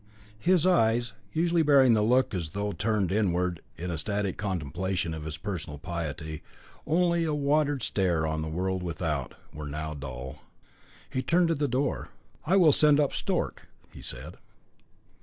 His eyes, usually bearing the look as though turned inward in ecstatic contemplation of his personal piety, with only a watery stare on the world without, were now dull. He turned to the door. "I will send up Stork," he said.